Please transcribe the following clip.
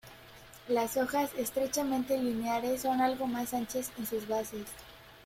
La hojas, estrechamente lineares, son algo más anchas en sus bases.